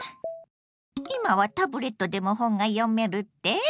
今はタブレットでも本が読めるって？